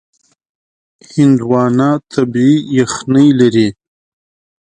هندوانه طبیعي یخنۍ لري.